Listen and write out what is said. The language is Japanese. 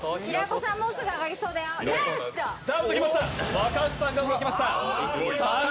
若槻さんが動きました。